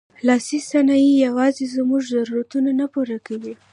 لاسي صنایع یوازې زموږ ضرورتونه نه پوره کوي.